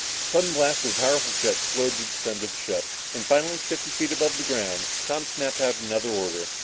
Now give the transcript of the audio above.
The sudden blast of the powerful jets slowed the descent of the ship, and finally, fifty feet above the ground, Tom snapped out another order.